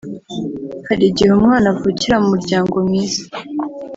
Hari igihe umwana avukira mu muryango mwiza